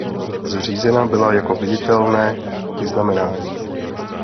Zřízena byla jako viditelné vyznamenání.